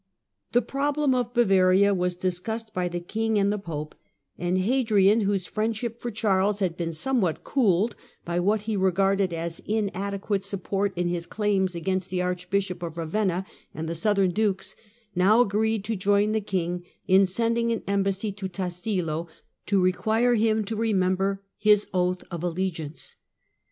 The problem of Bavaria was discussed by the king and the Pope, and Hadrian, whose friendship for Charles had been somewhat cooled by what he re garded as inadequate support in his claims against the Archbishop of Ravenna and the southern dukes, now reed to join the king in sending an embassy to Tassilo require him to remember his oath of allegiance.